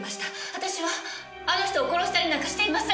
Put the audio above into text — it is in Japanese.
私はあの人を殺したりなんかしていません！